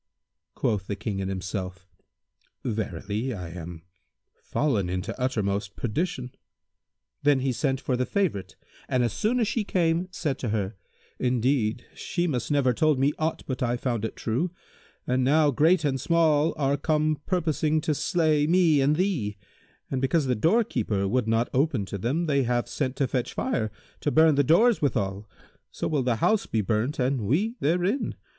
Quoth the King in himself, "Verily, I am fallen into uttermost perdition." Then he sent for the favourite; and, as soon as she came, said to her, "Indeed, Shimas never told me aught but I found it true, and now great and small are come purposing to slay me and thee; and because the doorkeeper would not open to them, they have sent to fetch fire, to burn the doors withal; so will the house be burnt and we therein.